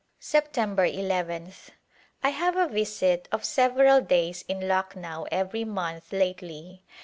September nth. I have a visit of several days in Lucknow every month lately.